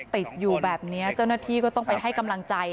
ติดอยู่แบบนี้เจ้าหน้าที่ก็ต้องไปให้กำลังใจ